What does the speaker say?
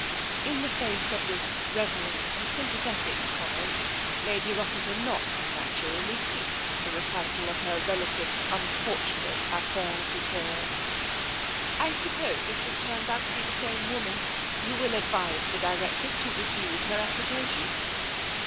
In the face of this reverend and sympathetic com ment, Lady Rossiter not unnaturally ceased the recital of her relative's unfortunate affaire du ccmr, " I suppose if this turns out to be the same woman, you will advise the directors to refuse her applica tion?"